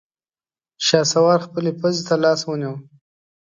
شهسوار خپلې پزې ته لاس ونيو.